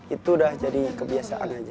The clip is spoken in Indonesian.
itu udah jadi kebiasaan